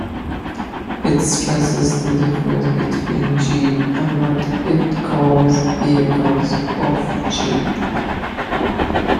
It stresses the difference between "g" and what it calls "vehicles" of "g".